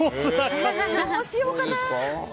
どうしようかな。